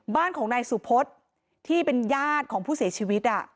บ้านของนายสุพศที่เป็นญาติของผู้เสียชีวิต